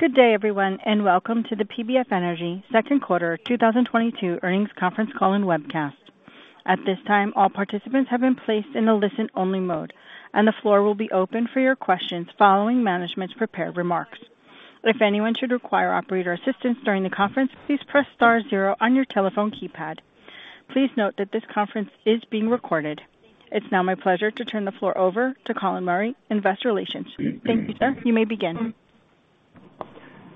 Good day, everyone, and welcome to the PBF Energy second quarter 2022 earnings conference call and webcast. At this time, all participants have been placed in a listen-only mode, and the floor will be open for your questions following management's prepared remarks. If anyone should require operator assistance during the conference, please press star zero on your telephone keypad. Please note that this conference is being recorded. It's now my pleasure to turn the floor over to Colin Murray, Investor Relations. Thank you, sir. You may begin.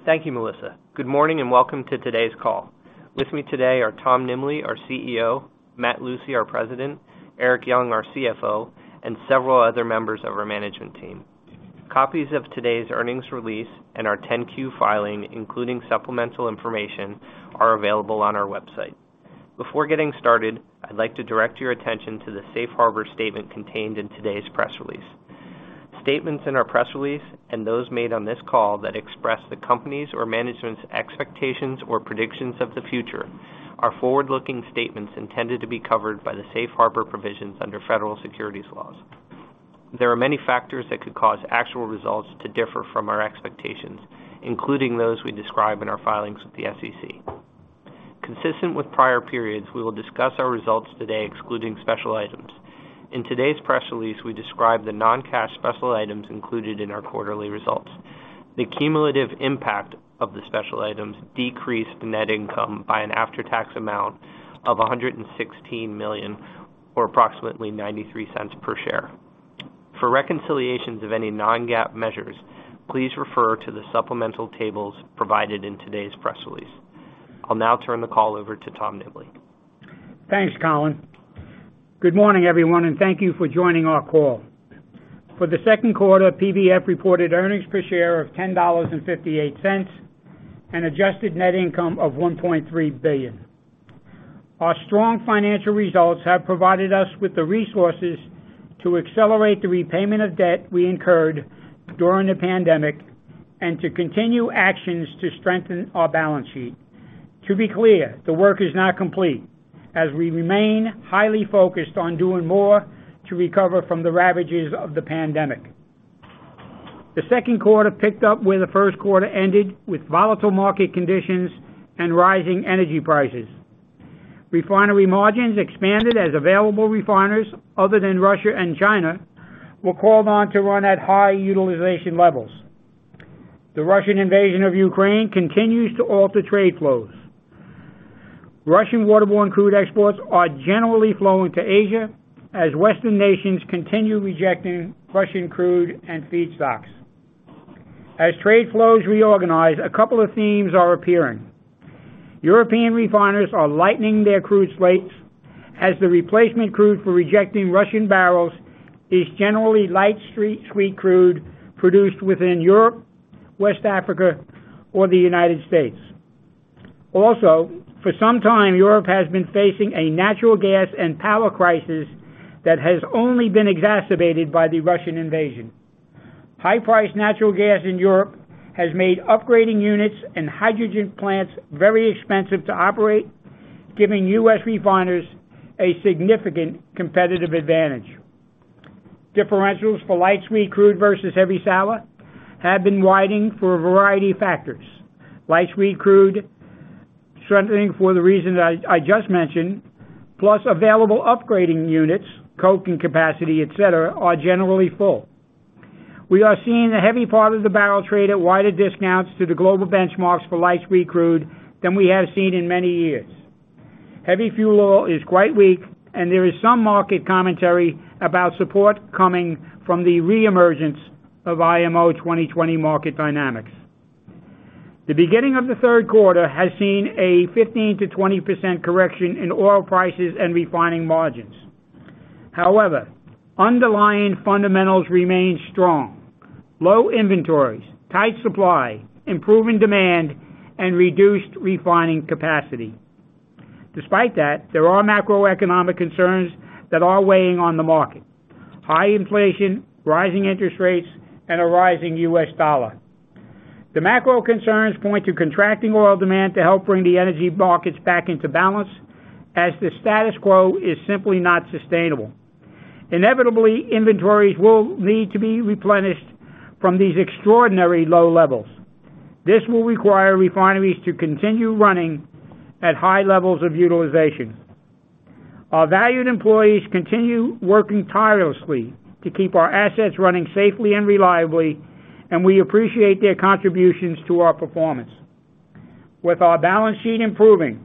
Thank you, Melissa. Good morning, and welcome to today's call. With me today are Tom Nimbley, our CEO, Matt Lucey, our President, Erik Young, our CFO, and several other members of our management team. Copies of today's earnings release and our 10-Q filing, including supplemental information, are available on our website. Before getting started, I'd like to direct your attention to the Safe Harbor statement contained in today's press release. Statements in our press release and those made on this call that express the company's or management's expectations or predictions of the future are forward-looking statements intended to be covered by the Safe Harbor provisions under federal securities laws. There are many factors that could cause actual results to differ from our expectations, including those we describe in our filings with the SEC. Consistent with prior periods, we will discuss our results today excluding special items. In today's press release, we describe the non-cash special items included in our quarterly results. The cumulative impact of the special items decreased net income by an after-tax amount of $116 million or approximately $0.93 per share. For reconciliations of any non-GAAP measures, please refer to the supplemental tables provided in today's press release. I'll now turn the call over to Tom Nimbley. Thanks, Colin. Good morning, everyone, and thank you for joining our call. For the second quarter, PBF reported earnings per share of $10.58 and adjusted net income of $1.3 billion. Our strong financial results have provided us with the resources to accelerate the repayment of debt we incurred during the pandemic and to continue actions to strengthen our balance sheet. To be clear, the work is not complete as we remain highly focused on doing more to recover from the ravages of the pandemic. The second quarter picked up where the first quarter ended with volatile market conditions and rising energy prices. Refinery margins expanded as available refiners other than Russia and China were called on to run at high utilization levels. The Russian invasion of Ukraine continues to alter trade flows. Russian waterborne crude exports are generally flowing to Asia as Western nations continue rejecting Russian crude and feedstocks. As trade flows reorganize, a couple of themes are appearing. European refiners are lightening their crude slates as the replacement crude for rejecting Russian barrels is generally light sweet crude produced within Europe, West Africa, or the United States. Also, for some time, Europe has been facing a natural gas and power crisis that has only been exacerbated by the Russian invasion. High-priced natural gas in Europe has made upgrading units and hydrogen plants very expensive to operate, giving U.S. refiners a significant competitive advantage. Differentials for light sweet crude versus heavy sour have been widening for a variety of factors. Light sweet crude strengthening for the reasons I just mentioned, plus available upgrading units, coke and capacity, et cetera, are generally full. We are seeing the heavy part of the barrel trade at wider discounts to the global benchmarks for light sweet crude than we have seen in many years. Heavy fuel oil is quite weak and there is some market commentary about support coming from the reemergence of IMO 2020 market dynamics. The beginning of the third quarter has seen a 15%-20% correction in oil prices and refining margins. However, underlying fundamentals remain strong. Low inventories, tight supply, improving demand, and reduced refining capacity. Despite that, there are macroeconomic concerns that are weighing on the market. High inflation, rising interest rates, and a rising U.S. dollar. The macro concerns point to contracting oil demand to help bring the energy markets back into balance as the status quo is simply not sustainable. Inevitably, inventories will need to be replenished from these extraordinary low levels. This will require refineries to continue running at high levels of utilization. Our valued employees continue working tirelessly to keep our assets running safely and reliably, and we appreciate their contributions to our performance. With our balance sheet improving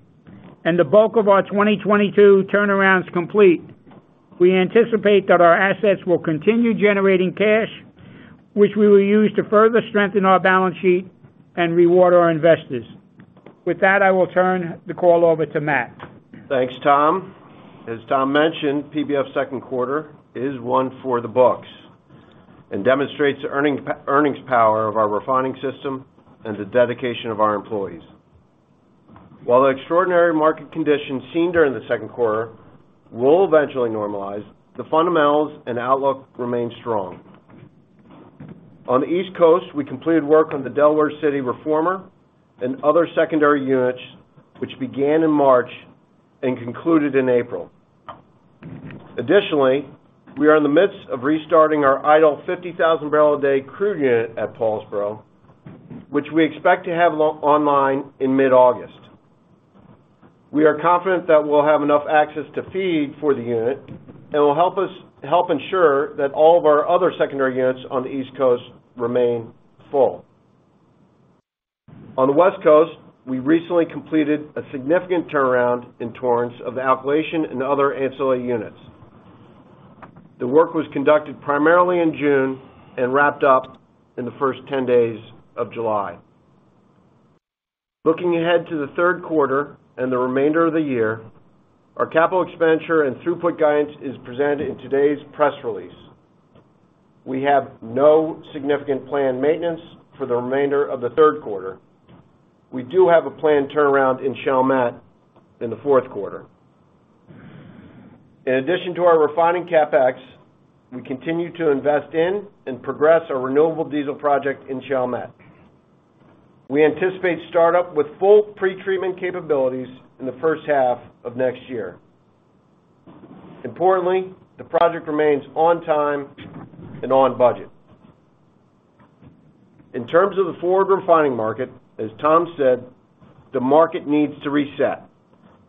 and the bulk of our 2022 turnarounds complete, we anticipate that our assets will continue generating cash, which we will use to further strengthen our balance sheet and reward our investors. With that, I will turn the call over to Matt. Thanks, Tom. As Tom mentioned, PBF's second quarter is one for the books and demonstrates earnings power of our refining system and the dedication of our employees. While the extraordinary market conditions seen during the second quarter will eventually normalize, the fundamentals and outlook remain strong. On the East Coast, we completed work on the Delaware City reformer and other secondary units, which began in March and concluded in April. Additionally, we are in the midst of restarting our idle 50,000 bbl a day crude unit at Paulsboro, which we expect to have online in mid-August. We are confident that we'll have enough access to feed for the unit, and will help ensure that all of our other secondary units on the East Coast remain full. On the West Coast, we recently completed a significant turnaround in Torrance of the alkylation and other ancillary units. The work was conducted primarily in June and wrapped up in the first 10 days of July. Looking ahead to the third quarter and the remainder of the year, our capital expenditure and throughput guidance is presented in today's press release. We have no significant planned maintenance for the remainder of the third quarter. We do have a planned turnaround in Chalmette in the fourth quarter. In addition to our refining CapEx, we continue to invest in and progress our renewable diesel project in Chalmette. We anticipate startup with full pretreatment capabilities in the first half of next year. Importantly, the project remains on time and on budget. In terms of the forward refining market, as Tom said, the market needs to reset,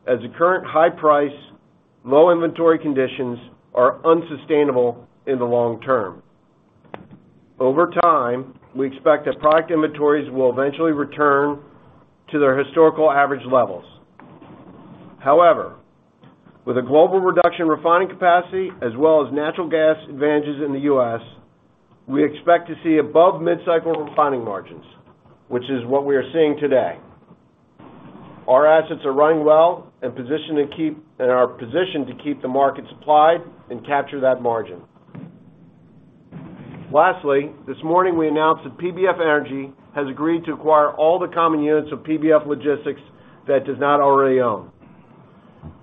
as the current high price, low inventory conditions are unsustainable in the long term. Over time, we expect that product inventories will eventually return to their historical average levels. However, with a global reduction in refining capacity as well as natural gas advantages in the U.S., we expect to see above mid-cycle refining margins, which is what we are seeing today. Our assets are running well and are positioned to keep the market supplied and capture that margin. Lastly, this morning we announced that PBF Energy has agreed to acquire all the common units of PBF Logistics that it does not already own.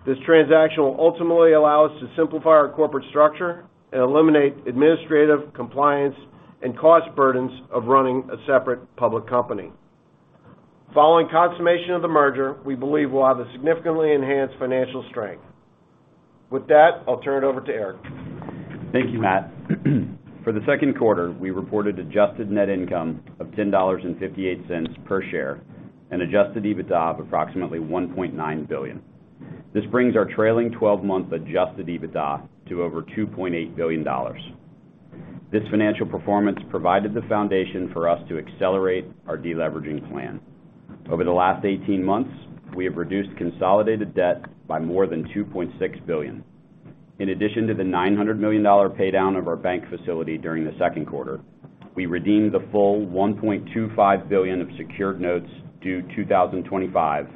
This transaction will ultimately allow us to simplify our corporate structure and eliminate administrative, compliance, and cost burdens of running a separate public company. Following consummation of the merger, we believe we'll have a significantly enhanced financial strength. With that, I'll turn it over to Erik. Thank you, Matt. For the second quarter, we reported adjusted net income of $10.58 per share and adjusted EBITDA of approximately $1.9 billion. This brings our trailing 12-month adjusted EBITDA to over $2.8 billion. This financial performance provided the foundation for us to accelerate our deleveraging plan. Over the last 18 months, we have reduced consolidated debt by more than $2.6 billion. In addition to the $900 million pay down of our bank facility during the second quarter, we redeemed the full $1.25 billion of secured notes due 2025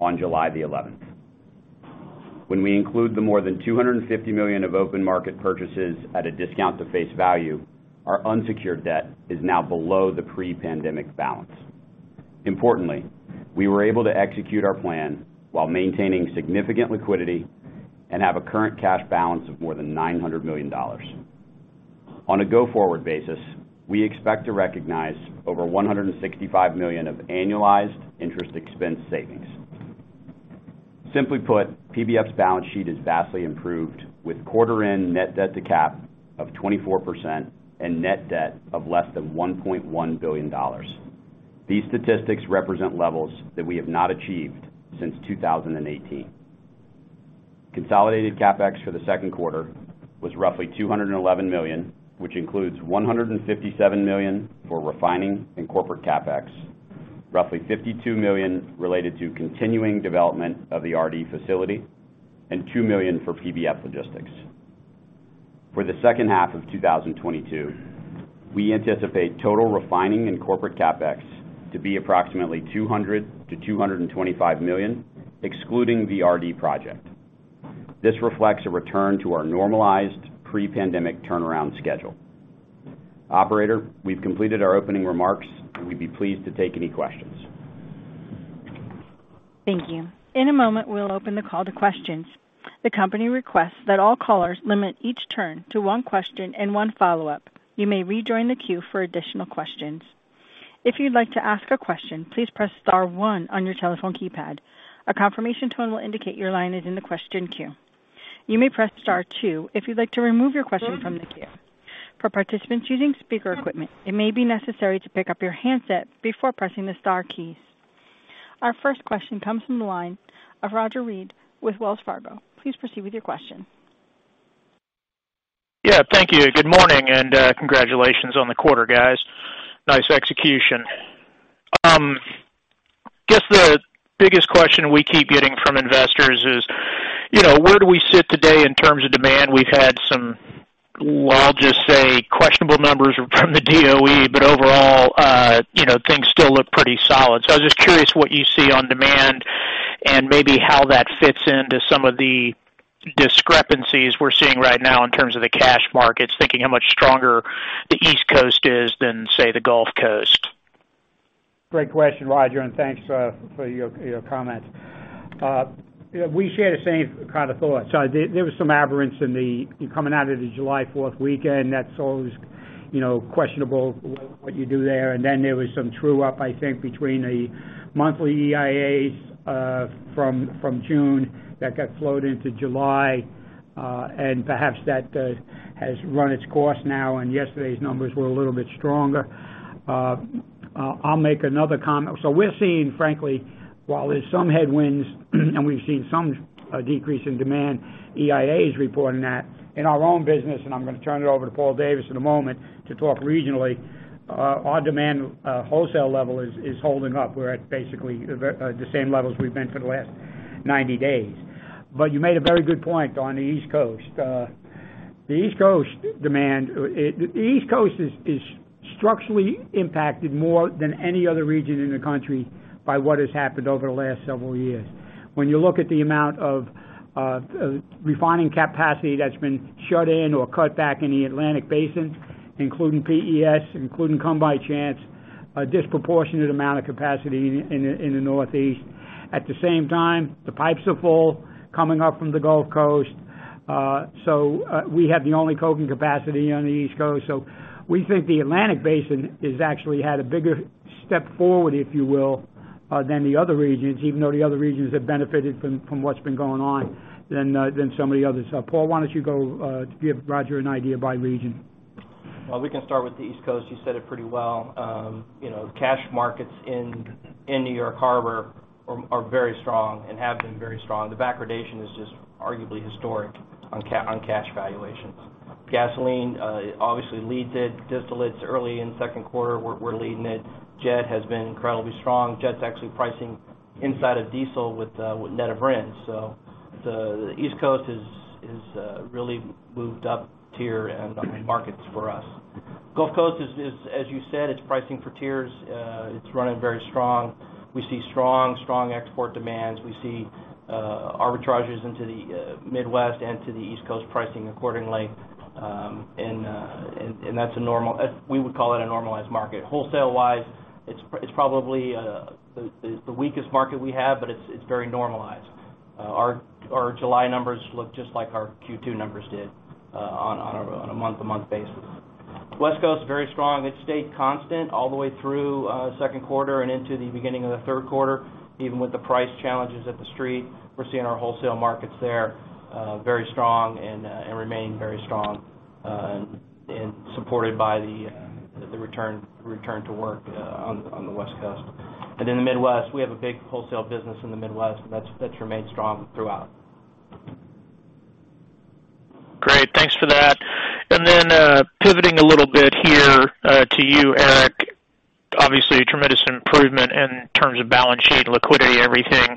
on July 11th. When we include the more than $250 million of open market purchases at a discount to face value, our unsecured debt is now below the pre-pandemic balance. Importantly, we were able to execute our plan while maintaining significant liquidity and have a current cash balance of more than $900 million. On a go-forward basis, we expect to recognize over $165 million of annualized interest expense savings. Simply put, PBF's balance sheet is vastly improved, with quarter-end net debt to cap of 24% and net debt of less than $1.1 billion. These statistics represent levels that we have not achieved since 2018. Consolidated CapEx for the second quarter was roughly $211 million, which includes $157 million for refining and corporate CapEx, roughly $52 million related to continuing development of the RD facility, and $2 million for PBF Logistics. For the second half of 2022, we anticipate total refining and corporate CapEx to be approximately $200 million-$225 million, excluding the RD project. This reflects a return to our normalized pre-pandemic turnaround schedule. Operator, we've completed our opening remarks, and we'd be pleased to take any questions. Thank you. In a moment, we'll open the call to questions. The company requests that all callers limit each turn to one question and one follow-up. You may rejoin the queue for additional questions. If you'd like to ask a question, please press star one on your telephone keypad. A confirmation tone will indicate your line is in the question queue. You may press star two if you'd like to remove your question from the queue. For participants using speaker equipment, it may be necessary to pick up your handset before pressing the star keys. Our first question comes from the line of Roger Read with Wells Fargo. Please proceed with your question. Yeah, thank you. Good morning, and congratulations on the quarter, guys. Nice execution. Guess the biggest question we keep getting from investors is, you know, where do we sit today in terms of demand? We've had some, well, I'll just say, questionable numbers from the DOE, but overall, you know, things still look pretty solid. I was just curious what you see on demand and maybe how that fits into some of the discrepancies we're seeing right now in terms of the cash markets, thinking how much stronger the East Coast is than, say, the Gulf Coast. Great question, Roger, and thanks for your comments. We share the same kind of thoughts. There was some aberration coming out of the July 4th weekend that's always You know, questionable what you do there. Then there was some true-up, I think, between the monthly EIAs from June that got flowed into July, and perhaps that has run its course now, and yesterday's numbers were a little bit stronger. I'll make another comment. We're seeing, frankly, while there's some headwinds and we've seen some decrease in demand, EIA is reporting that. In our own business, and I'm gonna turn it over to Paul Davis in a moment to talk regionally, our demand wholesale level is holding up. We're at basically the same levels we've been for the last 90 days. You made a very good point on the East Coast. The East Coast is structurally impacted more than any other region in the country by what has happened over the last several years. When you look at the amount of refining capacity that's been shut in or cut back in the Atlantic Basin, including PES, including Come By Chance, a disproportionate amount of capacity in the Northeast. At the same time, the pipes are full coming up from the Gulf Coast. We have the only coking capacity on the East Coast. We think the Atlantic Basin has actually had a bigger step forward, if you will, than the other regions, even though the other regions have benefited from what's been going on than some of the others. Paul, why don't you go give Roger an idea by region. Well, we can start with the East Coast. You said it pretty well. You know, cash markets in New York Harbor are very strong and have been very strong. The backwardation is just arguably historic on cash valuations. Gasoline obviously leads it. Distillates early in second quarter were leading it. Jet has been incredibly strong. Jet's actually pricing inside of diesel with net of RINs. The East Coast has really moved up tier and markets for us. Gulf Coast is, as you said, it's pricing for tiers. It's running very strong. We see strong export demands. We see arbitrages into the Midwest and to the East Coast pricing accordingly. We would call it a normalized market. Wholesale-wise, it's probably the weakest market we have, but it's very normalized. Our July numbers look just like our Q2 numbers did on a month-to-month basis. West Coast, very strong. It stayed constant all the way through second quarter and into the beginning of the third quarter, even with the price challenges at the street. We're seeing our wholesale markets there very strong and remain very strong and supported by the return to work on the West Coast. In the Midwest, we have a big wholesale business in the Midwest, and that's remained strong throughout. Great. Thanks for that. Then, pivoting a little bit here, to you, Erik, obviously, tremendous improvement in terms of balance sheet, liquidity, everything.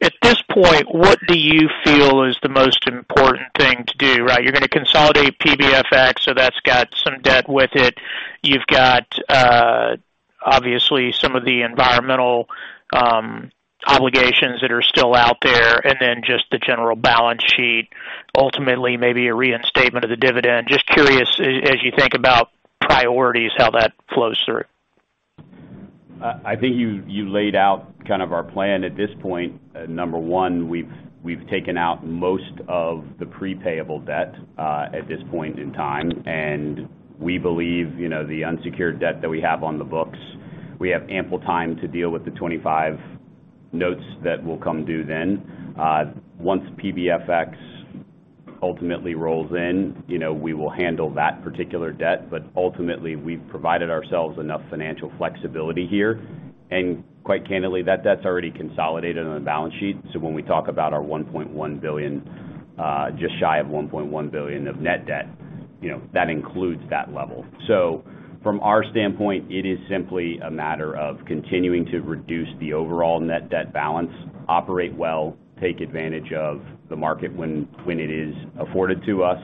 At this point, what do you feel is the most important thing to do, right? You're gonna consolidate PBFX, so that's got some debt with it. You've got, obviously some of the environmental, obligations that are still out there, and then just the general balance sheet, ultimately maybe a reinstatement of the dividend. Just curious, as you think about priorities, how that flows through. I think you laid out kind of our plan at this point. Number one, we've taken out most of the prepayable debt at this point in time. We believe, you know, the unsecured debt that we have on the books, we have ample time to deal with the 25 notes that will come due then. Once PBFX ultimately rolls in, you know, we will handle that particular debt. Ultimately, we've provided ourselves enough financial flexibility here. Quite candidly, that debt's already consolidated on the balance sheet. When we talk about our $1.1 billion, just shy of $1.1 billion of net debt, you know, that includes that level. From our standpoint, it is simply a matter of continuing to reduce the overall net debt balance, operate well, take advantage of the market when it is afforded to us,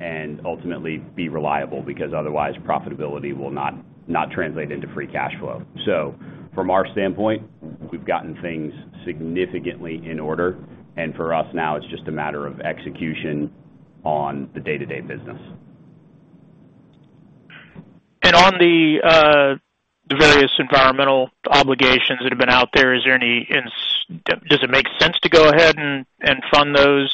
and ultimately be reliable because otherwise profitability will not translate into free cash flow. From our standpoint, we've gotten things significantly in order, and for us now it's just a matter of execution on the day-to-day business. On the various environmental obligations that have been out there, does it make sense to go ahead and fund those?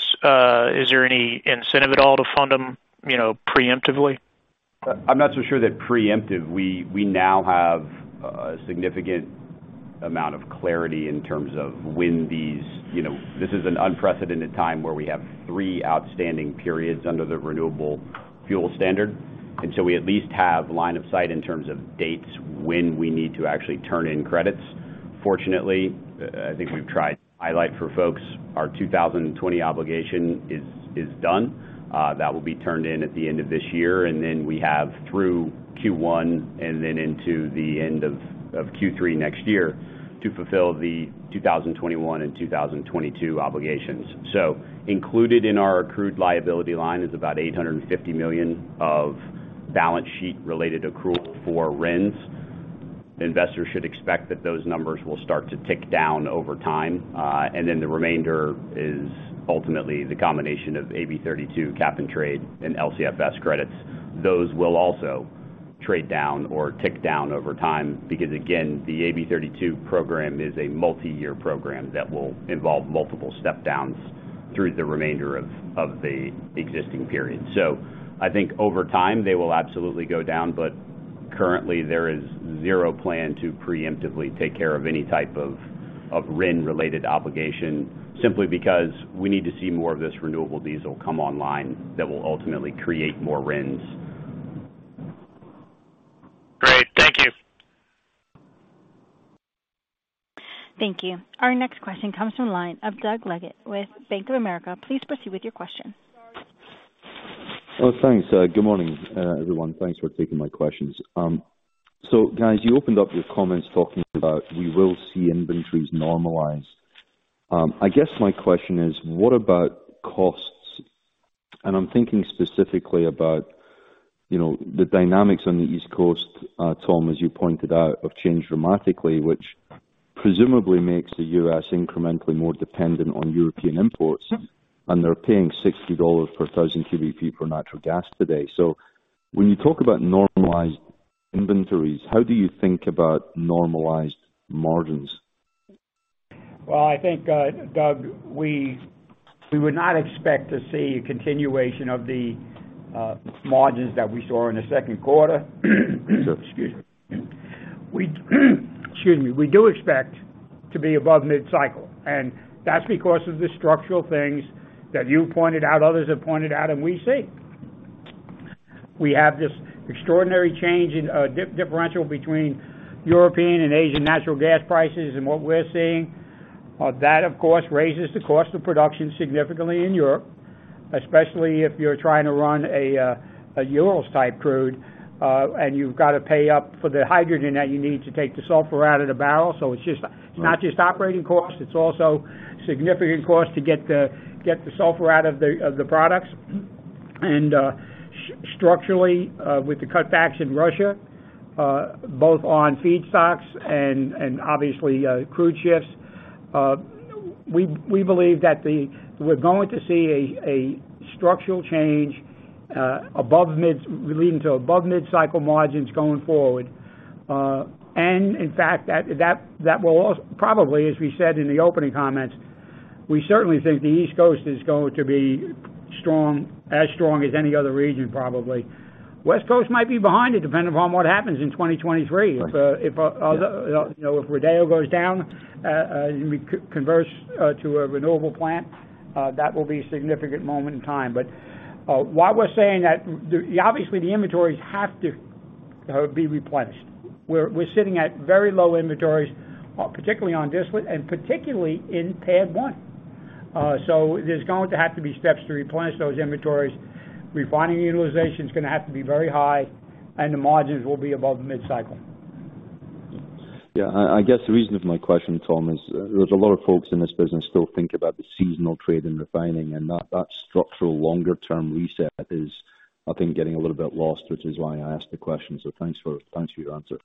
Is there any incentive at all to fund them, you know, preemptively? I'm not so sure that preemptive. We now have a significant amount of clarity in terms of when these. You know, this is an unprecedented time where we have three outstanding periods under the Renewable Fuel Standard, and so we at least have line of sight in terms of dates when we need to actually turn in credits. Fortunately, I think we've tried to highlight for folks our 2020 obligation is done. That will be turned in at the end of this year, and then we have through Q1 and then into the end of Q3 next year to fulfill the 2021 and 2022 obligations. Included in our accrued liability line is about $850 million of balance sheet-related accrual for RINs. Investors should expect that those numbers will start to tick down over time. The remainder is ultimately the combination of AB 32 cap and trade and LCFS credits. Those will also trade down or tick down over time because again, the AB 32 program is a multi-year program that will involve multiple step-downs through the remainder of the existing period. I think over time, they will absolutely go down, but currently there is zero plan to preemptively take care of any type of RIN-related obligation simply because we need to see more of this renewable diesel come online that will ultimately create more RINs. Great. Thank you. Thank you. Our next question comes from the line of Doug Leggate with Bank of America. Please proceed with your question. Oh, thanks. Good morning, everyone. Thanks for taking my questions. Guys, you opened up your comments talking about we will see inventories normalize. I guess my question is, what about costs? I'm thinking specifically about, you know, the dynamics on the East Coast, Tom, as you pointed out, have changed dramatically, which presumably makes the U.S. incrementally more dependent on European imports. Mm-hmm. They're paying $60 per thousand MMBtu for natural gas today. When you talk about normalized inventories, how do you think about normalized margins? Well, I think, Doug, we would not expect to see a continuation of the margins that we saw in the second quarter. We do expect to be above mid-cycle, and that's because of the structural things that you pointed out, others have pointed out, and we see. We have this extraordinary change in differential between European and Asian natural gas prices and what we're seeing. That of course raises the cost of production significantly in Europe, especially if you're trying to run a Urals-type crude, and you've got to pay up for the hydrogen that you need to take the sulfur out of the barrel. It's just. Right. Not just operating costs, it's also significant cost to get the sulfur out of the products. Structurally, with the cutbacks in Russia, both on feedstocks and obviously, crude shifts, we believe that we're going to see a structural change above mid-cycle leading to above mid-cycle margins going forward. In fact, that will also probably, as we said in the opening comments, we certainly think the East Coast is going to be strong, as strong as any other region, probably. West Coast might be behind it, depending upon what happens in 2023. If you know, if Rodeo goes down and we converts to a renewable plant, that will be a significant moment in time. Why we're saying that the Obviously, the inventories have to be replenished. We're sitting at very low inventories, particularly on distillate and particularly in PADD 1. There's going to have to be steps to replenish those inventories. Refining utilization is gonna have to be very high, and the margins will be above the mid-cycle. Yeah. I guess the reason for my question, Tom, is there's a lot of folks in this business still think about the seasonal trade in refining and that structural longer term reset is, I think, getting a little bit lost, which is why I asked the question. Thanks for your answer.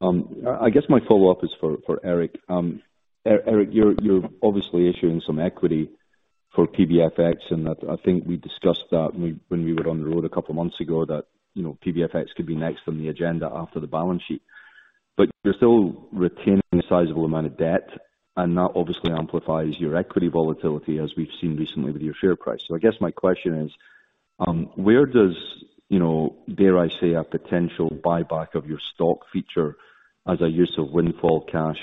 I guess my follow-up is for Erik. Erik, you're obviously issuing some equity for PBFX, and I think we discussed that when we were on the road a couple months ago, that you know, PBFX could be next on the agenda after the balance sheet. But you're still retaining a sizable amount of debt, and that obviously amplifies your equity volatility, as we've seen recently with your share price. I guess my question is, where does, you know, dare I say, a potential buyback of your stock feature as a use of windfall cash,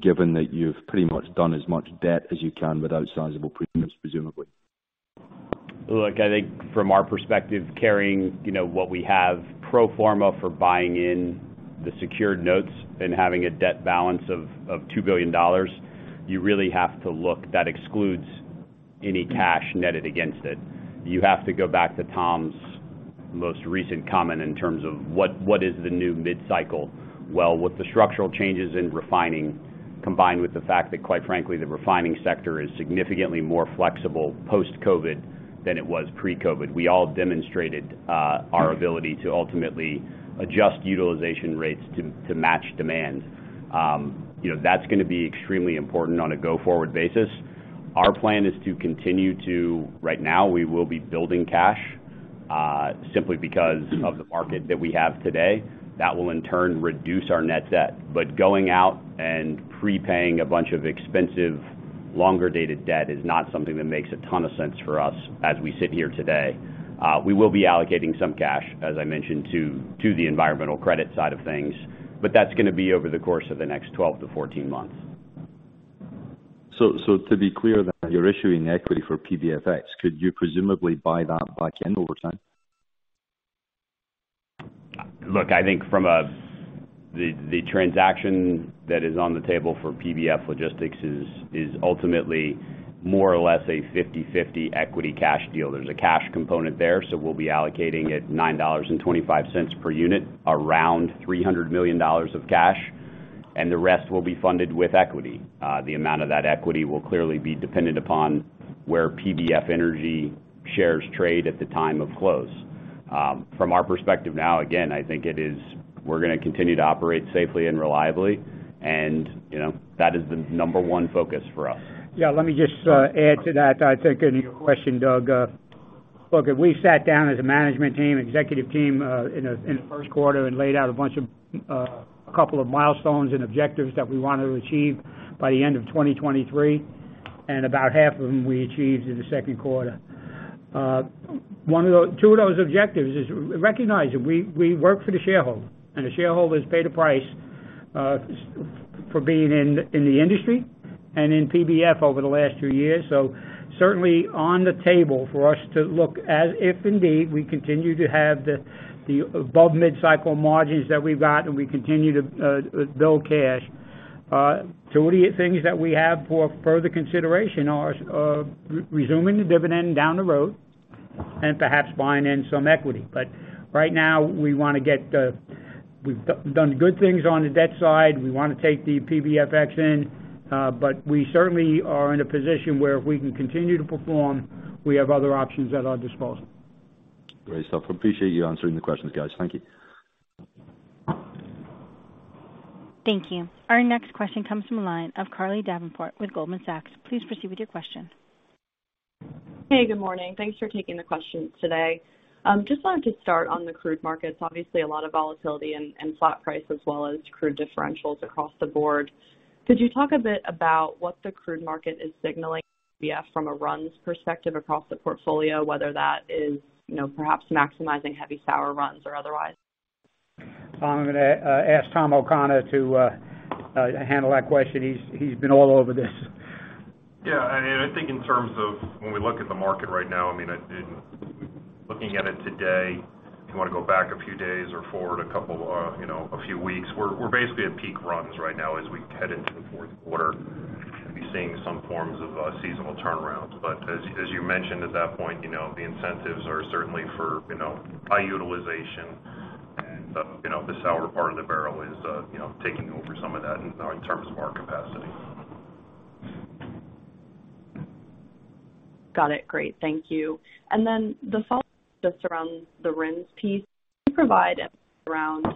given that you've pretty much done as much debt as you can without sizable premiums, presumably? Look, I think from our perspective, carrying, you know, what we have pro forma for buying in the secured notes and having a debt balance of $2 billion, you really have to look, that excludes any cash netted against it. You have to go back to Tom's most recent comment in terms of what is the new mid-cycle? Well, with the structural changes in refining, combined with the fact that quite frankly, the refining sector is significantly more flexible post-COVID than it was pre-COVID, we all demonstrated our ability to ultimately adjust utilization rates to match demand. You know, that's gonna be extremely important on a go-forward basis. Our plan is to continue to. Right now, we will be building cash simply because of the market that we have today. That will in turn reduce our net debt. Going out and prepaying a bunch of expensive longer-dated debt is not something that makes a ton of sense for us as we sit here today. We will be allocating some cash, as I mentioned, to the environmental credit side of things, but that's gonna be over the course of the next 12-14 months. To be clear, that you're issuing equity for PBFX, could you presumably buy that back in over time? Look, I think the transaction that is on the table for PBF Logistics is ultimately more or less a 50/50 equity cash deal. There's a cash component there, so we'll be allocating it $9.25 per unit around $300 million of cash, and the rest will be funded with equity. The amount of that equity will clearly be dependent upon where PBF Energy shares trade at the time of close. From our perspective now, again, I think it is. We're gonna continue to operate safely and reliably, and, you know, that is the number one focus for us. Yeah, let me just add to that, I think in your question, Doug. Look, if we sat down as a management team, executive team, in the first quarter and laid out a bunch of a couple of milestones and objectives that we wanted to achieve by the end of 2023, and about half of them we achieved in the second quarter. Two of those objectives is recognizing we work for the shareholder, and the shareholders pay the price for being in the industry and in PBF over the last two years. Certainly on the table for us to look at if indeed we continue to have the above mid-cycle margins that we've got, and we continue to build cash. Two of the things that we have for further consideration are resuming the dividend down the road and perhaps buying in some equity. Right now we wanna get, we've done good things on the debt side. We wanna take the PBFX in, but we certainly are in a position where if we can continue to perform, we have other options at our disposal. Great stuff. I appreciate you answering the questions, guys. Thank you. Thank you. Our next question comes from the line of Carly Davenport with Goldman Sachs. Please proceed with your question. Hey, good morning. Thanks for taking the questions today. Just wanted to start on the crude markets. Obviously, a lot of volatility and flat price as well as crude differentials across the board. Could you talk a bit about what the crude market is signaling from a runs perspective across the portfolio, whether that is, you know, perhaps maximizing heavy sour runs or otherwise? I'm gonna ask Tom O'Connor to handle that question. He's been all over this. Yeah. I think in terms of when we look at the market right now, I mean, in looking at it today, if you wanna go back a few days or forward a couple, you know, a few weeks, we're basically at peak runs right now as we head into the fourth quarter. We'll be seeing some forms of seasonal turnarounds. As you mentioned at that point, you know, the incentives are certainly for, you know, high utilization. You know, the sour part of the barrel is taking over some of that in terms of our capacity. Got it. Great. Thank you. The follow-up just around the RINs piece. Can you provide around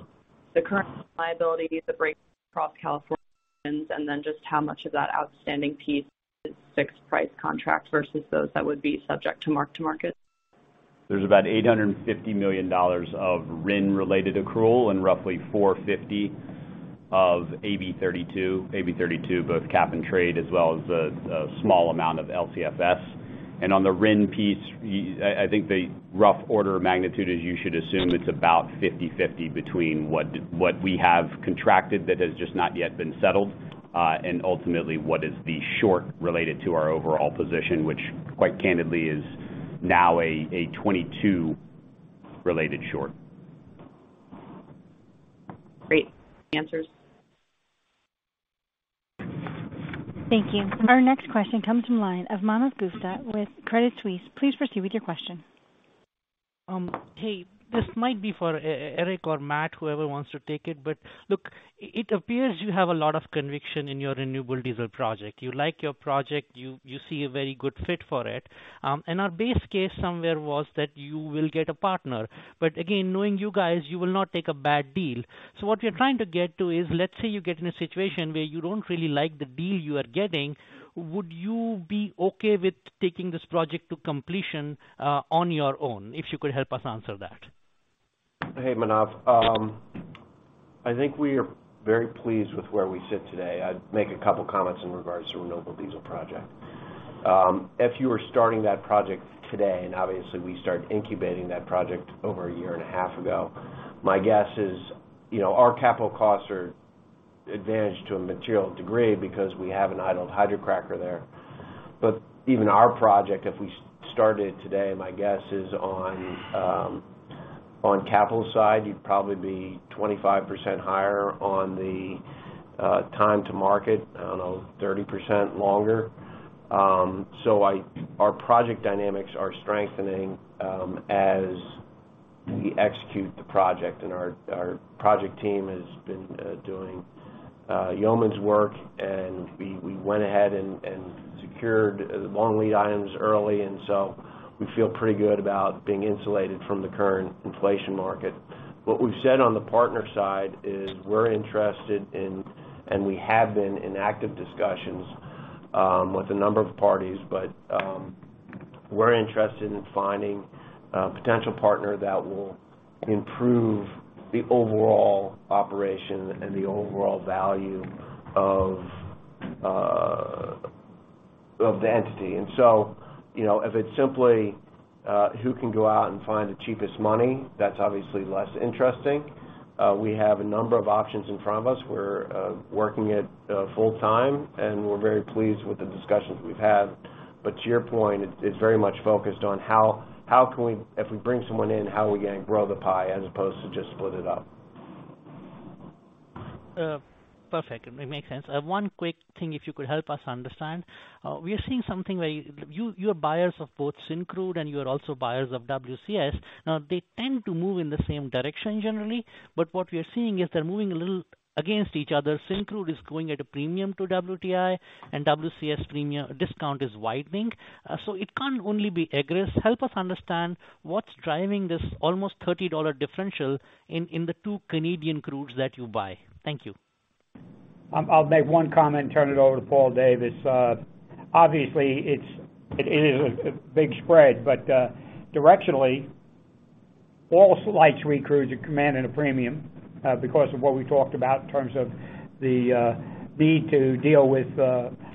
the current liabilities, the breakdown across California, and then just how much of that outstanding piece is fixed-price contract versus those that would be subject to mark-to-market? There's about $850 million of RIN-related accrual and roughly $450 million of AB 32. AB 32, both cap and trade as well as a small amount of LCFS. On the RIN piece, I think the rough order of magnitude is you should assume it's about 50/50 between what we have contracted that has just not yet been settled, and ultimately what is the short related to our overall position, which quite candidly is now a 22-related short. Great answers. Thank you. Our next question comes from line of Manav Gupta with Credit Suisse. Please proceed with your question. Hey, this might be for Erik or Matt, whoever wants to take it. Look, it appears you have a lot of conviction in your renewable diesel project. You like your project. You see a very good fit for it. Our base case somewhere was that you will get a partner. Again, knowing you guys, you will not take a bad deal. What we are trying to get to is, let's say you get in a situation where you don't really like the deal you are getting, would you be okay with taking this project to completion on your own? If you could help us answer that. Hey, Manav. I think we are very pleased with where we sit today. I'd make a couple comments in regards to renewable diesel project. If you were starting that project today, and obviously we started incubating that project over a year and a half ago, my guess is, you know, our capital costs have an advantage to a material degree because we have an idled hydrocracker there. Even our project, if we started today, my guess is on the capital side, you'd probably be 25% higher on the time to market, I don't know, 30% longer. Our project dynamics are strengthening as we execute the project and our project team has been doing yeoman's work, and we went ahead and secured long lead items early, and we feel pretty good about being insulated from the current inflation market. What we've said on the partner side is we're interested in, and we have been in active discussions with a number of parties, but we're interested in finding a potential partner that will improve the overall operation and the overall value of the entity. You know, if it's simply who can go out and find the cheapest money, that's obviously less interesting. We have a number of options in front of us. We're working it full time, and we're very pleased with the discussions we've had. To your point, it's very much focused on how can we, if we bring someone in, how are we gonna grow the pie as opposed to just split it up? Perfect. It makes sense. One quick thing if you could help us understand. We are seeing something where you are buyers of both Syncrude and you are also buyers of WCS. Now, they tend to move in the same direction generally, but what we are seeing is they're moving a little against each other. Syncrude is going at a premium to WTI and WCS premium discount is widening. So it can't only be egress. Help us understand what's driving this almost $30 differential in the two Canadian crudes that you buy. Thank you. I'll make one comment and turn it over to Paul Davis. Obviously, it is a big spread, but directionally, all select crudes are commanded a premium because of what we talked about in terms of the need to deal with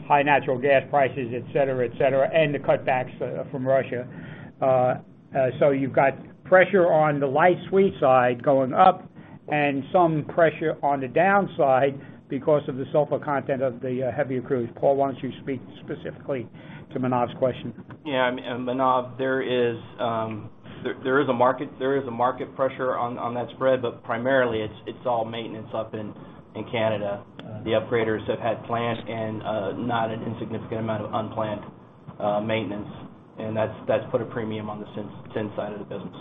high natural gas prices, et cetera, et cetera, and the cutbacks from Russia. So you've got pressure on the light sweet side going up and some pressure on the downside because of the sulfur content of the heavier crudes. Paul, why don't you speak specifically to Manav's question? Yeah. Manav, there is a market pressure on that spread, but primarily it's all maintenance up in Canada. The upgraders have had planned and not an insignificant amount of unplanned maintenance. That's put a premium on the Syncrude side of the business.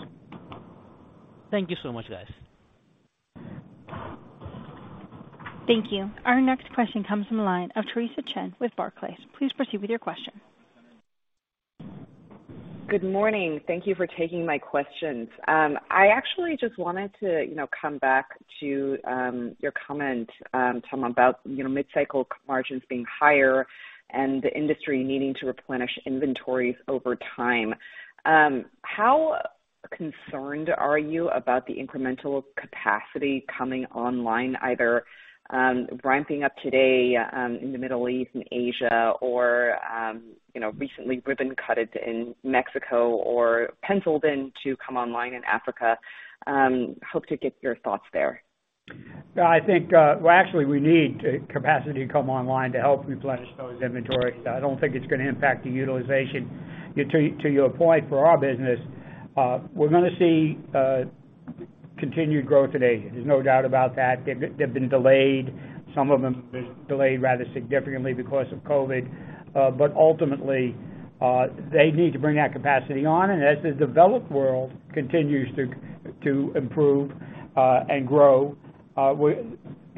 Thank you so much, guys. Thank you. Our next question comes from the line of Theresa Chen with Barclays. Please proceed with your question. Good morning. Thank you for taking my questions. I actually just wanted to, you know, come back to your comment, Tom, about, you know, mid-cycle margins being higher and the industry needing to replenish inventories over time. How concerned are you about the incremental capacity coming online, either ramping up today in the Middle East and Asia or, you know, recently ribbon cut in Mexico or penciled in to come online in Africa? Hope to get your thoughts there. Yeah, I think, well, actually we need the capacity to come online to help replenish those inventories. I don't think it's gonna impact the utilization. To your point for our business, we're gonna see continued growth in Asia. There's no doubt about that. They've been delayed. Some of them delayed rather significantly because of COVID. But ultimately, they need to bring that capacity on. As the developed world continues to improve and grow,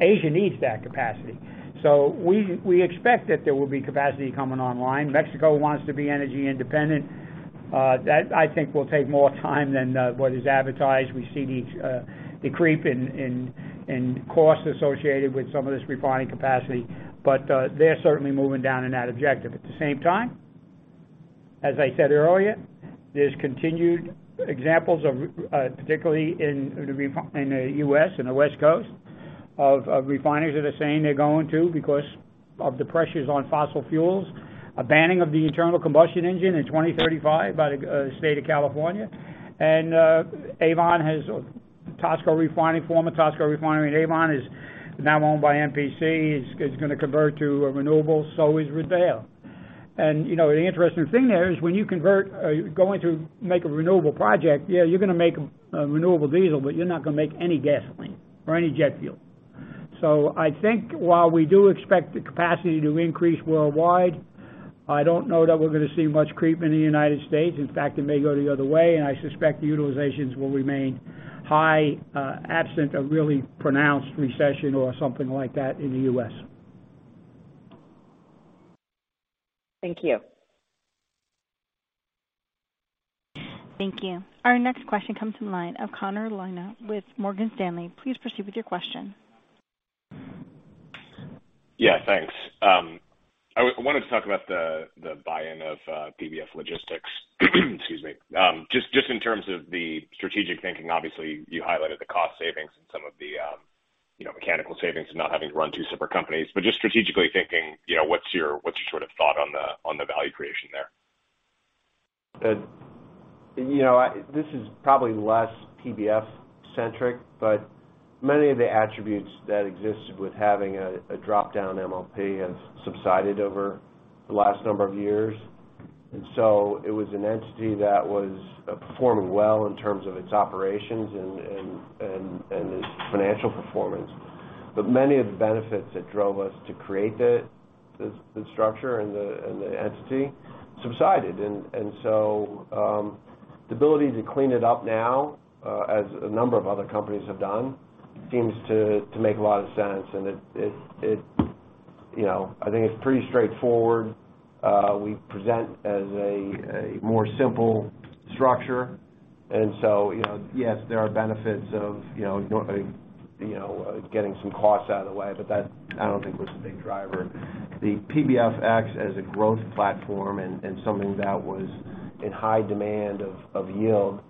Asia needs that capacity. We expect that there will be capacity coming online. Mexico wants to be energy independent. That I think will take more time than what is advertised. We see the creep in costs associated with some of this refining capacity. They're certainly moving down in that objective. At the same time, as I said earlier, there's continued examples of, particularly in the U.S., in the West Coast of refineries that are saying they're going to because of the pressures on fossil fuels, a banning of the internal combustion engine in 2035 by the state of California. Avon Tesoro Refining, former Tesoro Refinery in Avon is now owned by MPC, is gonna convert to a renewable, so is Rodeo. You know, the interesting thing there is when you convert, going to make a renewable project, yeah, you're gonna make renewable diesel, but you're not gonna make any gasoline or any jet fuel. I think while we do expect the capacity to increase worldwide, I don't know that we're gonna see much creep in the United States. In fact, it may go the other way, and I suspect the utilizations will remain high, absent a really pronounced recession or something like that in the U.S. Thank you. Thank you. Our next question comes from the line of Conor Fitzpatrick with Morgan Stanley. Please proceed with your question. Yeah, thanks. I wanted to talk about the buy-in of PBF Logistics. Excuse me. Just in terms of the strategic thinking, obviously, you highlighted the cost savings and some of the, you know, mechanical savings and not having to run two separate companies. Just strategically thinking, you know, what's your sort of thought on the value creation there? You know, this is probably less PBF centric, but many of the attributes that existed with having a drop-down MLP has subsided over the last number of years. It was an entity that was performing well in terms of its operations and its financial performance. Many of the benefits that drove us to create the structure and the entity subsided. The ability to clean it up now, as a number of other companies have done, seems to make a lot of sense. It, you know, I think it's pretty straightforward. We present as a more simple structure. Yes, there are benefits of getting some costs out of the way, but that I don't think was the big driver. The PBF acts as a growth platform and something that was in high demand of yield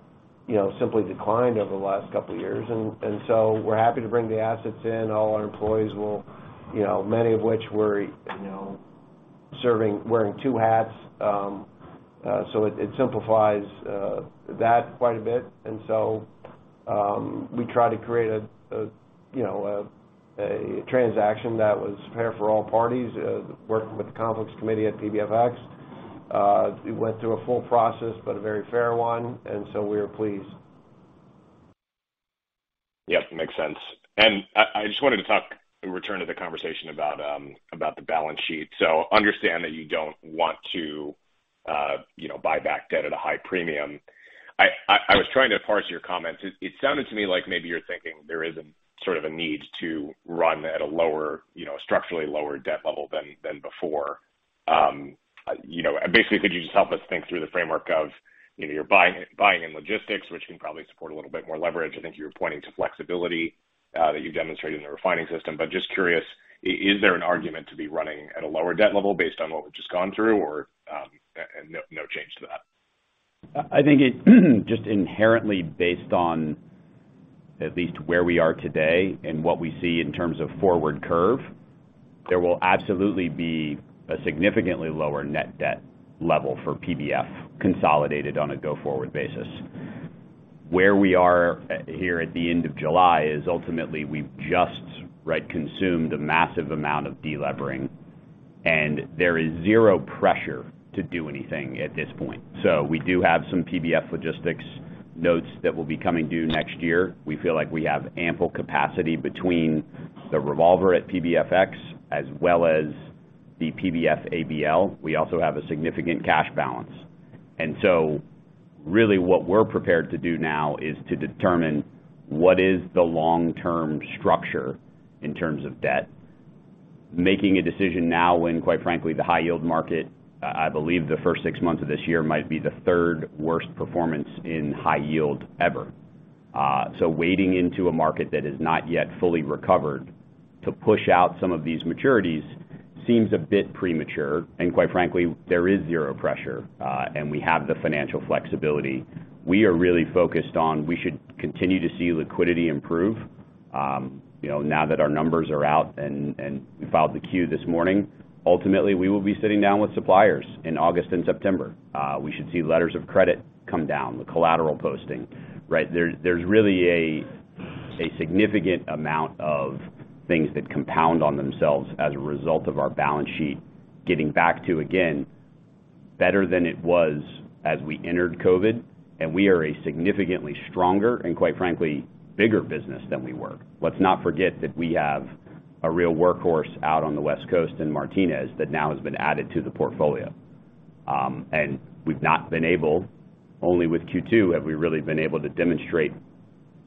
simply declined over the last couple of years. We're happy to bring the assets in. All our employees will, many of which were wearing two hats. It simplifies that quite a bit. We try to create a transaction that was fair for all parties, working with the conflicts committee at PBFX. It went through a full process, but a very fair one, and so we were pleased. Yep, makes sense. I just wanted to talk and return to the conversation about the balance sheet. I understand that you don't want to, you know, buy back debt at a high premium. I was trying to parse your comments. It sounded to me like maybe you're thinking there is a sort of a need to run at a lower, you know, structurally lower debt level than before. You know, basically, could you just help us think through the framework of, you know, you're buying in logistics, which can probably support a little bit more leverage. I think you're pointing to flexibility that you've demonstrated in the refining system. But just curious, is there an argument to be running at a lower debt level based on what we've just gone through or no change to that? I think it just inherently based on at least where we are today and what we see in terms of forward curve, there will absolutely be a significantly lower net debt level for PBF consolidated on a go-forward basis. Where we are here at the end of July is ultimately we've just consumed a massive amount of delevering, and there is zero pressure to do anything at this point. We do have some PBF Logistics notes that will be coming due next year. We feel like we have ample capacity between the revolver at PBFX as well as the PBF ABL. We also have a significant cash balance. Really what we're prepared to do now is to determine what is the long-term structure in terms of debt. Making a decision now when, quite frankly, the high yield market, I believe the first six months of this year might be the third worst performance in high yield ever. Wading into a market that is not yet fully recovered to push out some of these maturities seems a bit premature, and quite frankly, there is zero pressure, and we have the financial flexibility. We are really focused on. We should continue to see liquidity improve now that our numbers are out and we filed the 10-Q this morning. Ultimately, we will be sitting down with suppliers in August and September. We should see letters of credit come down, the collateral posting, right? There's really a significant amount of things that compound on themselves as a result of our balance sheet getting back to, again, better than it was as we entered COVID, and we are a significantly stronger and quite frankly, bigger business than we were. Let's not forget that we have a real workhorse out on the West Coast in Martinez that now has been added to the portfolio. Only with Q2 have we really been able to demonstrate,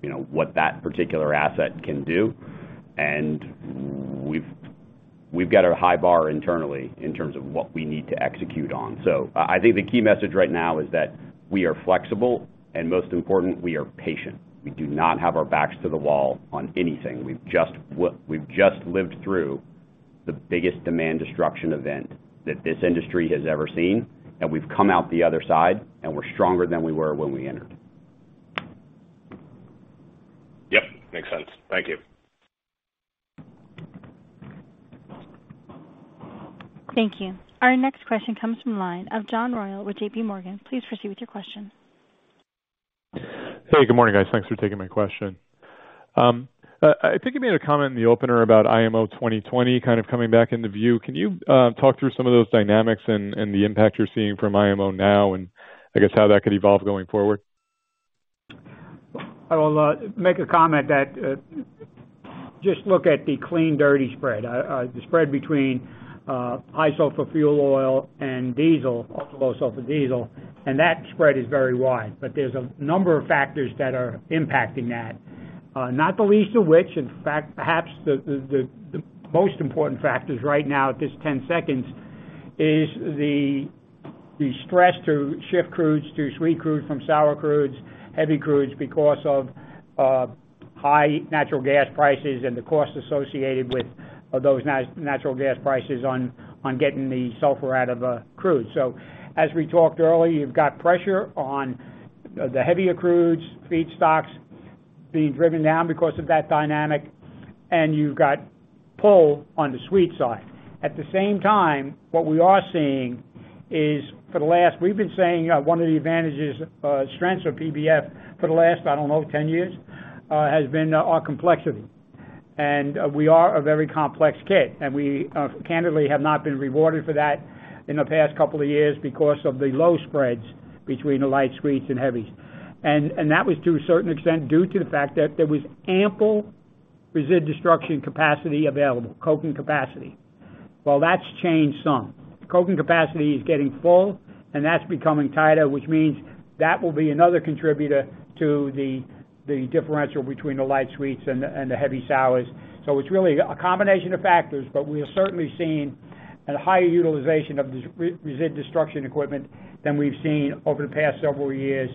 you know, what that particular asset can do. We've got a high bar internally in terms of what we need to execute on. I think the key message right now is that we are flexible and most important, we are patient. We do not have our backs to the wall on anything. We've just lived through the biggest demand destruction event that this industry has ever seen, and we've come out the other side, and we're stronger than we were when we entered. Yep, makes sense. Thank you. Thank you. Our next question comes from line of John Royall with J.P. Morgan. Please proceed with your question. Hey, good morning, guys. Thanks for taking my question. I think you made a comment in the opener about IMO 2020 kind of coming back into view. Can you talk through some of those dynamics and the impact you're seeing from IMO now and I guess how that could evolve going forward? I will make a comment that just look at the clean dirty spread, the spread between high sulfur fuel oil and diesel, ultra-low sulfur diesel, and that spread is very wide. There's a number of factors that are impacting that. Not the least of which, in fact, perhaps the most important factors right now at this tense seconds is the stress to shift crudes to sweet crude from sour crudes, heavy crudes because of high natural gas prices and the costs associated with those natural gas prices on getting the sulfur out of a crude. As we talked earlier, you've got pressure on the heavier crudes, feedstocks being driven down because of that dynamic, and you've got pull on the sweet side. At the same time, what we are seeing is. We've been saying one of the advantages, strengths of PBF for the last, I don't know, 10 years, has been our complexity. We are a very complex kit, and we candidly have not been rewarded for that in the past couple of years because of the low spreads between the light sweets and heavies. That was to a certain extent due to the fact that there was ample resid destruction capacity available, coking capacity. Well, that's changed some. Coking capacity is getting full, and that's becoming tighter, which means that will be another contributor to the differential between the light sweets and the heavy sours. It's really a combination of factors, but we are certainly seeing a higher utilization of resid destruction equipment than we've seen over the past several years.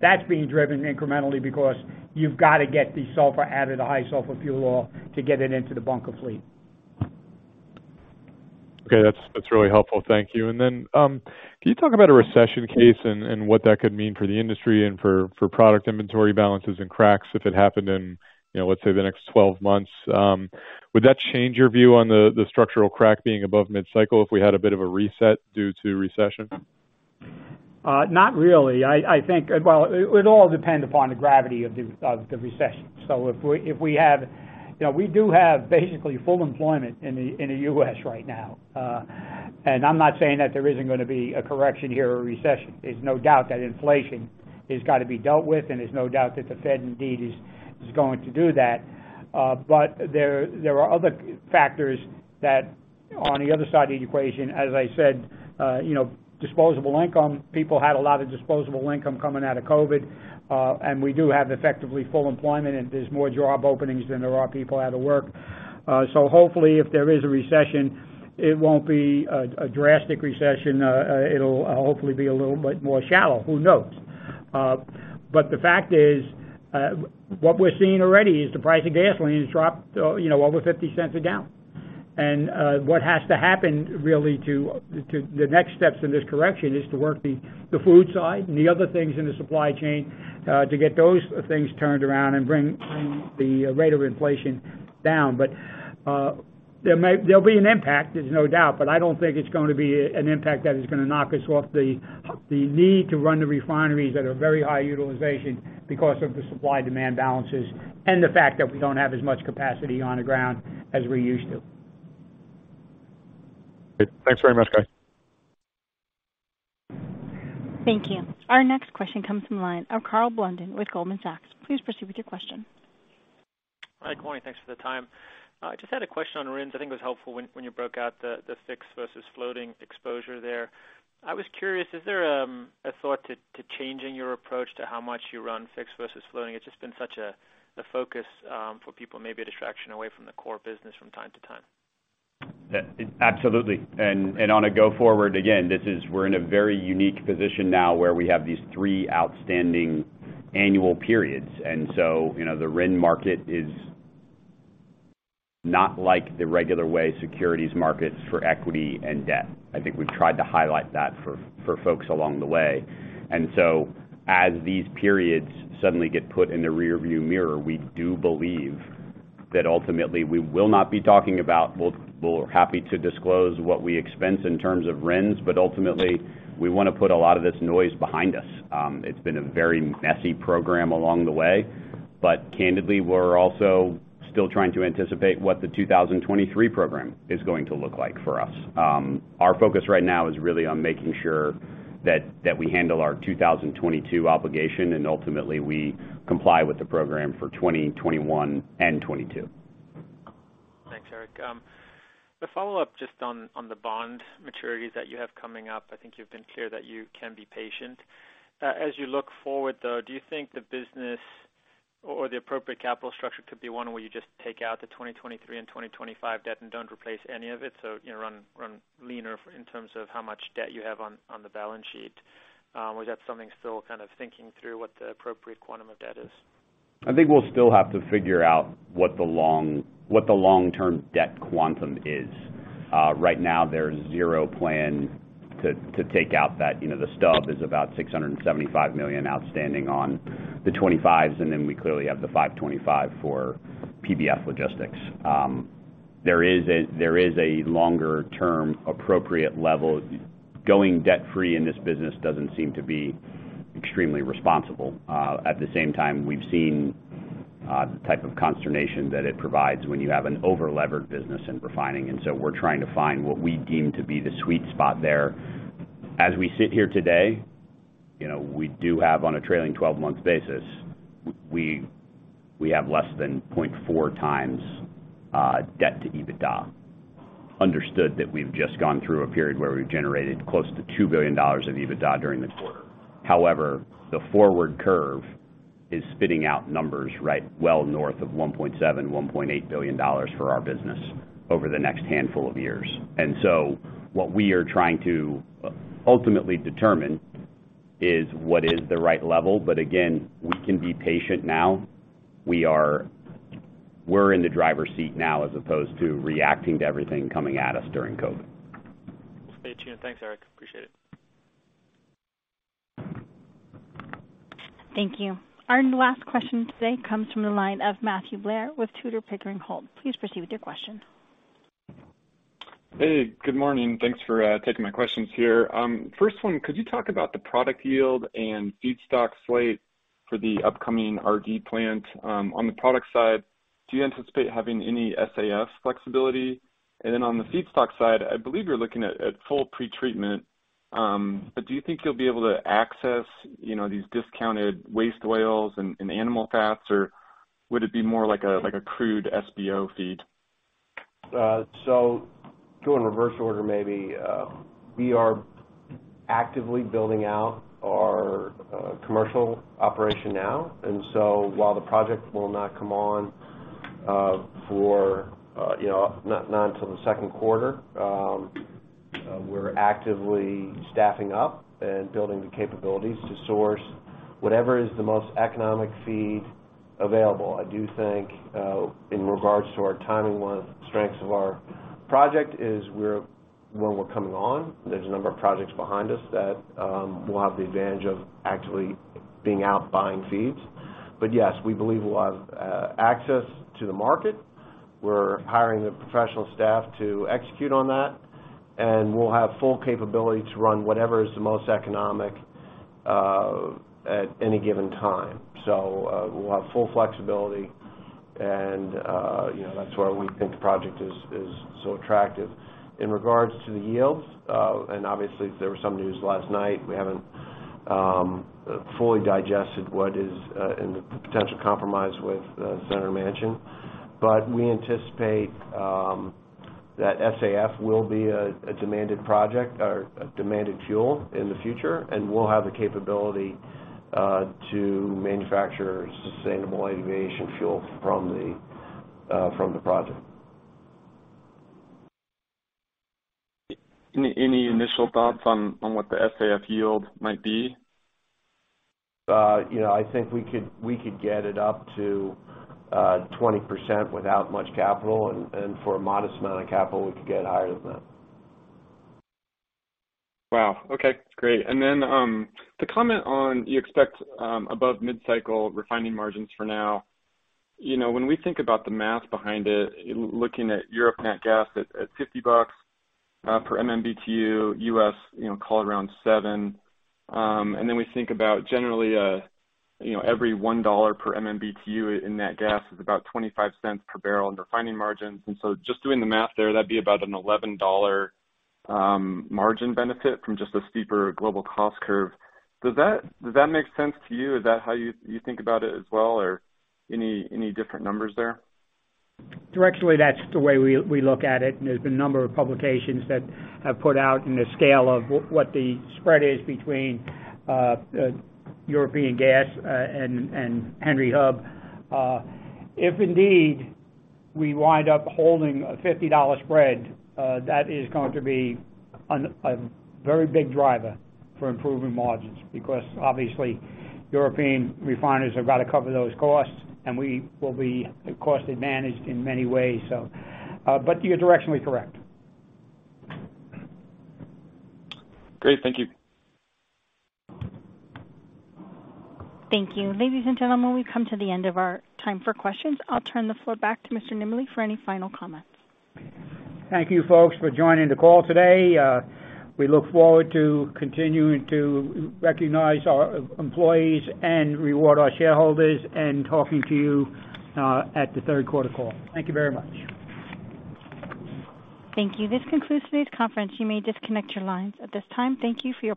That's being driven incrementally because you've got to get the sulfur out of the high sulfur fuel oil to get it into the bunker fleet. Okay. That's really helpful. Thank you. Can you talk about a recession case and what that could mean for the industry and for product inventory balances and cracks if it happened in, you know, let's say the next 12 months? Would that change your view on the structural crack being above mid-cycle if we had a bit of a reset due to recession? Not really. I think. Well, it would all depend upon the gravity of the recession. If we have you know, we do have basically full employment in the U.S. right now. I'm not saying that there isn't gonna be a correction here or a recession. There's no doubt that inflation has got to be dealt with, and there's no doubt that the Fed indeed is going to do that. There are other factors that on the other side of the equation, as I said, you know, disposable income, people had a lot of disposable income coming out of COVID, and we do have effectively full employment, and there's more job openings than there are people out of work. Hopefully, if there is a recession, it won't be a drastic recession. It'll hopefully be a little bit more shallow. Who knows? The fact is, what we're seeing already is the price of gasoline has dropped, you know, over $0.50 a gallon. What has to happen really to the next steps in this correction is to work the food side and the other things in the supply chain to get those things turned around and bring the rate of inflation down. There'll be an impact, there's no doubt, but I don't think it's going to be an impact that is gonna knock us off the need to run the refineries that are very high utilization because of the supply-demand balances and the fact that we don't have as much capacity on the ground as we used to. Great. Thanks very much, guys. Thank you. Our next question comes from the line of Karl Blunden with Goldman Sachs. Please proceed with your question. Hi, good morning. Thanks for the time. I just had a question on RINs. I think it was helpful when you broke out the fixed versus floating exposure there. I was curious, is there a thought to changing your approach to how much you run fixed versus floating? It's just been such a focus for people, maybe a distraction away from the core business from time to time. Yeah. Absolutely. Going forward, again, we're in a very unique position now where we have these three outstanding annual periods. You know, the RIN market is not like the regular way securities markets for equity and debt. I think we've tried to highlight that for folks along the way. As these periods suddenly get put in the rearview mirror, we do believe that ultimately we will not be talking about. We're happy to disclose what we expense in terms of RINs, but ultimately, we wanna put a lot of this noise behind us. It's been a very messy program along the way. Candidly, we're also still trying to anticipate what the 2023 program is going to look like for us. Our focus right now is really on making sure that we handle our 2022 obligation, and ultimately, we comply with the program for 2021 and 2022. Thanks, Erik. A follow-up just on the bond maturities that you have coming up. I think you've been clear that you can be patient. As you look forward, though, do you think the business or the appropriate capital structure could be one where you just take out the 2023 and 2025 debt and don't replace any of it, so run leaner in terms of how much debt you have on the balance sheet? Is that something still kind of thinking through what the appropriate quantum of debt is? I think we'll still have to figure out what the long-term debt quantum is. Right now there's zero plan to take out that. You know, the stub is about $675 million outstanding on the 25s, and then we clearly have the 2025 for PBF Logistics. There is a longer-term appropriate level. Going debt-free in this business doesn't seem to be extremely responsible. At the same time, we've seen the type of consternation that it provides when you have an over-levered business in refining. We're trying to find what we deem to be the sweet spot there. As we sit here today, you know, we do have on a trailing twelve-month basis, we have less than 0.4x debt to EBITDA. Understood that we've just gone through a period where we've generated close to $2 billion of EBITDA during the quarter. However, the forward curve is spitting out numbers right well north of $1.7 billion-$1.8 billion for our business over the next handful of years. What we are trying to ultimately determine is what is the right level. Again, we can be patient now. We're in the driver's seat now as opposed to reacting to everything coming at us during COVID. We'll stay tuned. Thanks, Erik. Appreciate it. Thank you. Our last question today comes from the line of Matthew Blair with Tudor, Pickering, Holt & Co. Please proceed with your question. Hey, good morning. Thanks for taking my questions here. First one, could you talk about the product yield and feedstock slate for the upcoming RD plant? On the product side, do you anticipate having any SAF flexibility? Then on the feedstock side, I believe you're looking at full pretreatment, but do you think you'll be able to access, you know, these discounted waste oils and animal fats, or would it be more like a crude SBO feed? Go in reverse order maybe. We are actively building out our commercial operation now. While the project will not come on until the second quarter, we're actively staffing up and building the capabilities to source whatever is the most economic feed available. I do think in regards to our timing, one of the strengths of our project is when we're coming on, there's a number of projects behind us that will have the advantage of actually being out buying feeds. Yes, we believe we'll have access to the market. We're hiring the professional staff to execute on that, and we'll have full capability to run whatever is the most economic at any given time. We'll have full flexibility and, you know, that's why we think the project is so attractive. In regards to the yields, and obviously there was some news last night. We haven't fully digested what is in the potential compromise with Joe Manchin. We anticipate that SAF will be a demanded project or a demanded fuel in the future, and we'll have the capability to manufacture sustainable aviation fuel from the project. Any initial thoughts on what the SAF yield might be? You know, I think we could get it up to 20% without much capital, and for a modest amount of capital, we could get higher than that. Wow, okay. That's great. To comment on you expect above mid-cycle refining margins for now. You know, when we think about the math behind it, looking at Europe natural gas at $50 per MMBtu, U.S., you know, call it around $7. We think about generally, you know, every $1 per MMBtu in natural gas is about $0.25 per barrel in refining margins. Just doing the math there, that'd be about an $11 margin benefit from just a steeper global cost curve. Does that make sense to you? Is that how you think about it as well, or any different numbers there? Directionally, that's the way we look at it. There's been a number of publications that have put out in the scale of what the spread is between European gas and Henry Hub. If indeed we wind up holding a $50 spread, that is going to be a very big driver for improving margins because obviously European refineries have got to cover those costs and we will be cost advantaged in many ways. You're directionally correct. Great. Thank you. Thank you. Ladies and gentlemen, we've come to the end of our time for questions. I'll turn the floor back to Mr. Nimbley for any final comments. Thank you folks for joining the call today. We look forward to continuing to recognize our employees and reward our shareholders and talking to you at the third quarter call. Thank you very much. Thank you. This concludes today's conference. You may disconnect your lines at this time. Thank you for your participation.